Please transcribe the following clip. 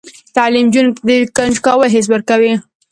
تعلیم نجونو ته د کنجکاوۍ حس ورکوي.